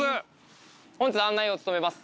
本日案内を務めます